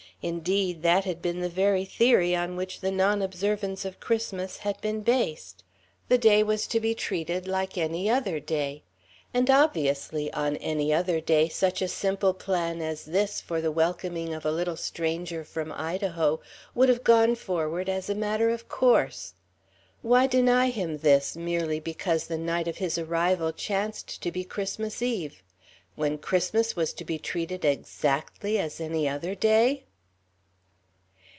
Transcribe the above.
Indeed, that had been the very theory on which the nonobservance of Christmas had been based: the day was to be treated like any other day. And, obviously, on any other day such a simple plan as this for the welcoming of a little stranger from Idaho would have gone forward as a matter of course. Why deny him this, merely because the night of his arrival chanced to be Christmas Eve? When Christmas was to be treated exactly as any other day?